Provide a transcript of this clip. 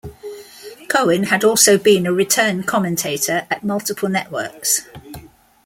Cohen had also been a return commentator at multiple networks.